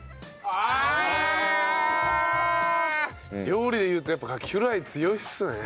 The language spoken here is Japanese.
料理でいうとやっぱカキフライ強いっすね。